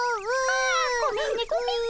ああごめんねごめんね。